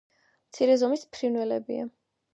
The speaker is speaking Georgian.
მცირე ზომის ფრინველებია.